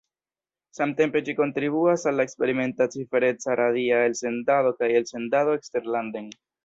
Samtempe ĝi kontribuas al la eksperimenta cifereca radia elsendado kaj elsendado eksterlanden.